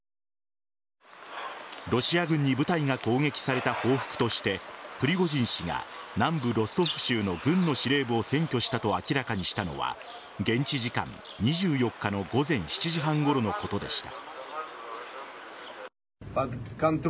ロシア軍に部隊が攻撃された報復としてプリゴジン氏が南部・ロストフ州の軍の司令部を占拠したと明らかにしたのは現地時間２４日の午前７時半ごろのことでした。